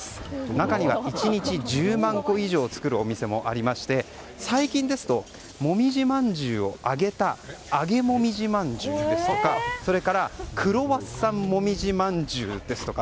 中には１日１０万個以上作るお店もありまして最近ですともみじまんじゅうを揚げた揚げもみじ饅頭とかそれからクロワッサンもみじまんじゅうですとか